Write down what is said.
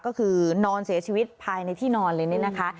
ก็คือนอนเสียชีวิตภายในที่นอนเลยนี่นะคะ